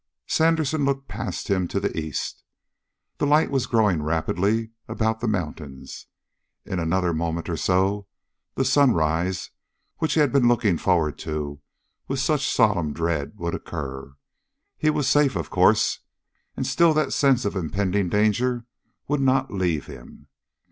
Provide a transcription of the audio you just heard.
Sandersen looked past him to the east. The light was growing rapidly about the mountains. In another moment or so that sunrise which he had been looking forward to with such solemn dread, would occur. He was safe, of course, and still that sense of impending danger would not leave him.